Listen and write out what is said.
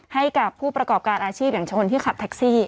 ให้กับผู้ประกอบการอาชีพอย่างชนที่ขับแท็กซี่